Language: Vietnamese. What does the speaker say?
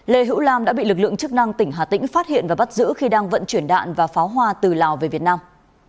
lê hữu lam đã bị lực lượng chức năng tỉnh hà tĩnh phát hiện và bắt giữ khi đang vận chuyển đạn và pháo hoa từ lào về việt nam